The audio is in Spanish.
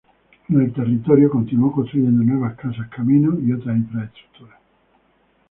En el territorio continuó construyendo nuevas casas, caminos y otra infraestructura.